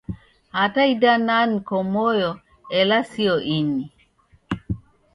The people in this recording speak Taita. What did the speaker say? Hata idana nko moyo ela sio ini.